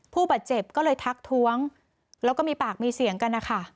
ผู้บาดเจ็บก็เลยทักท้วงแล้วก็มีปากมีเสียงกันนะคะ